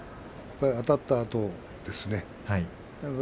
あたったあとですね